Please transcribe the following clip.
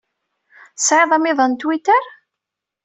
Tesɛiḍ amiḍan n Twitter?